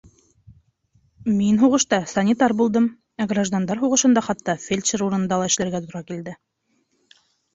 Мин һуғышта санитар булдым, ә граждандар һуғышында хатта фельдшер урынында ла эшләргә тура килде.